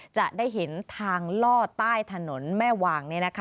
จะได้เห็นทางล่อใต้ถนนแม่วาง